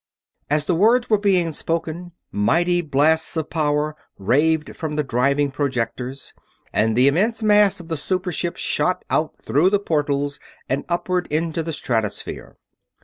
As the words were being spoken mighty blasts of power raved from the driving projectors, and the immense mass of the super ship shot out through the portals and upward into the stratosphere.